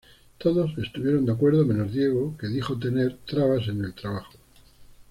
Todos estuvieron de acuerdo, menos Diego que dijo tener trabas en el trabajo.